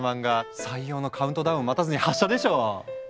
採用のカウントダウンを待たずに発射でしょう！